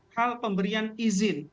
hal pemberian izin